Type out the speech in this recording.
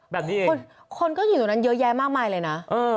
แบบนี้เองคนก็อยู่ตรงนั้นเยอะแยะมากมายเลยนะ